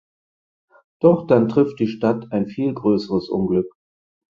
Doch dann trifft die Stadt ein viel größeres Unglück.